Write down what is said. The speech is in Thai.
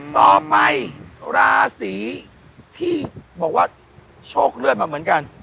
ต่อไปราศีที่บอกว่าโชคเลือดมาเหมือนกัน